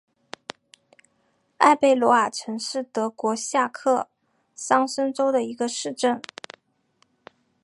埃贝罗尔岑是德国下萨克森州的一个市镇。